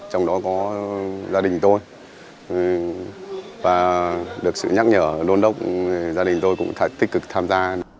trong đó có gia đình tôi và được sự nhắc nhở đôn đốc gia đình tôi cũng phải tích cực tham gia